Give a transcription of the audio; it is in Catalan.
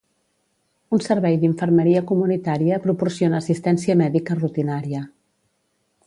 Un servei d'infermeria comunitària proporciona assistència mèdica rutinària.